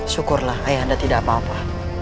syukurlah ayah anda tidak apa apa